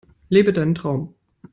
Lebe deinen Traum!